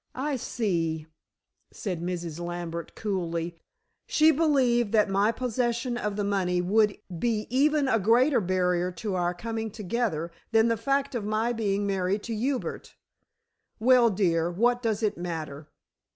"I see," said Mrs. Lambert coolly. "She believed that my possession of the money would be even a greater barrier to our coming together than the fact of my being married to Hubert. Well, dear, what does it matter?"